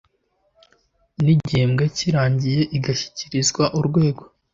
n igihembwe kirangiye igashyikirizwa urwego